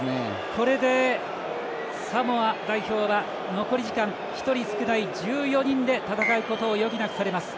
これでサモア代表は残り時間１人少ない１４人で戦うことを余儀なくされます。